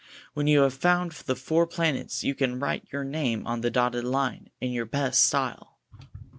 ''When you have found the four planets, you can write your name on the dotted line, in your best style."